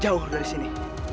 jauh dari sini